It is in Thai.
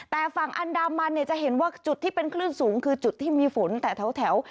แต่ฝั่งอันดามันเนี่ยจะเห็นว่าจุดที่เป็นคลื่นสูงคือจุดที่มีฝนแต่แถว